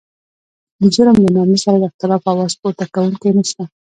د جرم له نامه سره د اختلاف اواز پورته کوونکی نشته.